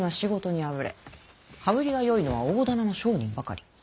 羽振りがよいのは大店の商人ばかり。